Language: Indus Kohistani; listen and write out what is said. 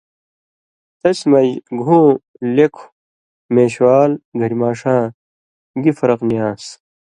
تسیۡ مژ گُھوں، لېکھوۡ؛ مېشوال، گھریۡ ماݜاں گیۡ فرَق نیۡ آن٘س؛